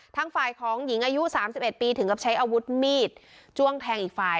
ทางฝ่ายของหญิงอายุ๓๑ปีถึงกับใช้อาวุธมีดจ้วงแทงอีกฝ่าย